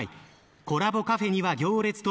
コラボカフェには行列と。